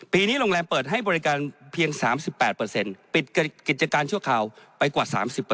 นี้โรงแรมเปิดให้บริการเพียง๓๘ปิดกิจการชั่วคราวไปกว่า๓๐